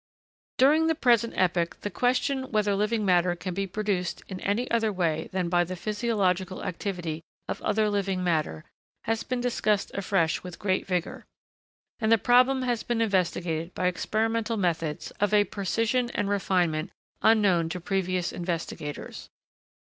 During the present epoch, the question, whether living matter can be produced in any other way than by the physiological activity of other living matter, has been discussed afresh with great vigor; and the problem has been investigated by experimental methods of a precision and refinement unknown to previous investigators.